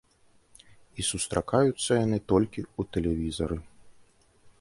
І сустракаюцца яны толькі ў тэлевізары.